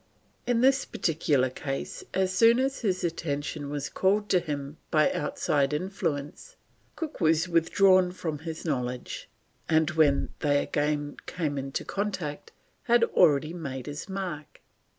In this particular case, as soon as his attention was called to him by outside influence, Cook was withdrawn from his knowledge, and when they again came in contact had already made his mark.